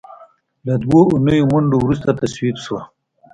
له دوو اونیو منډو وروسته تصویب شوه.